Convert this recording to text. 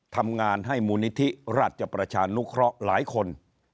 ทำงานให้มูลนิธิราชประชานุเคราะห์หลายคน